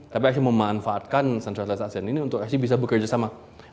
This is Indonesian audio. tapi acces memanfaatkan sentralitas asean ini untuk ac bisa bekerja sama